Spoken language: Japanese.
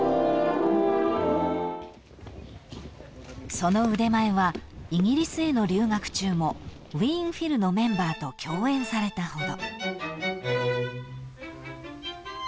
［その腕前はイギリスへの留学中もウィーン・フィルのメンバーと共演されたほど］